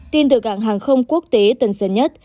tin từ cảng hàng không quốc tế tân sơn nhất